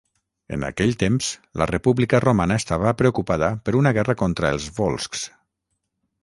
En aquell temps la República Romana estava preocupada per una guerra contra els Volscs.